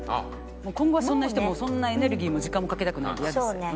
もう今後はそんな人そんなエネルギーも時間もかけたくないのでイヤです。